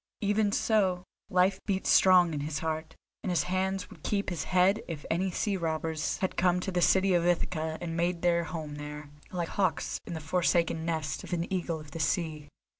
Even so life beat strong in his heart, and his hands would keep his head if any sea robbers had come to the city of Ithaca and made their home there, like hawks in the forsaken nest of an eagle of the sea.